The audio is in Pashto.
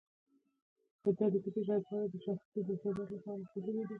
فعلونه، صفتونه او قیدونه هم بدلېږي.